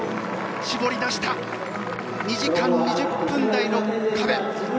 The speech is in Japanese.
絞り出した２時間２０分台の壁